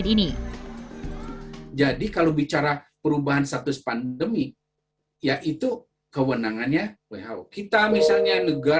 sehingga setelah pandemi kewenangan who akan menjadi lebih besar